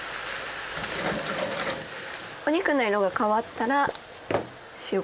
お肉の色が変わったら塩・こしょう。